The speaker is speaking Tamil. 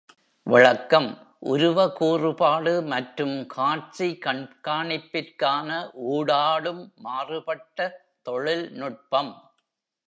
விளக்கம்: உருவ கூறுபாடு மற்றும் காட்சி கண்காணிப்பிற்கான ஊடாடும் மாறுபட்ட தொழில் நுட்பம்.